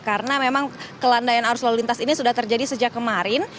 karena memang kelandaian arus lalu lintas ini sudah terjadi sejak kemarin